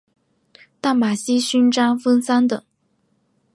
淡马锡勋章分三等。